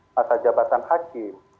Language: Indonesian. masa jabatan hakim